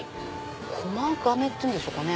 こま亀っていうんでしょうかね。